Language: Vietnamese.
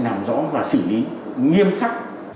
nằm rõ và xử lý nghiêm khắc